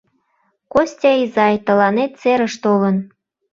— Костя изай, тыланет серыш толын!